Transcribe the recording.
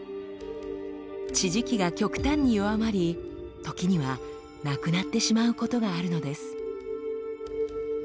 地磁気が極端に弱まり時にはなくなってしまうことがあるのです。